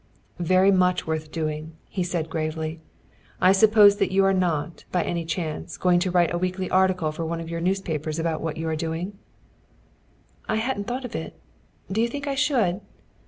"Very much worth doing," he said gravely. "I suppose you are not, by any chance, going to write a weekly article for one of your newspapers about what you are doing?" "I hadn't thought of it. Do you think I should?"